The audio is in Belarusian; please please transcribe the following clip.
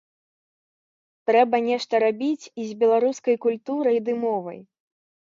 Трэба нешта рабіць і з беларускай культурай ды мовай.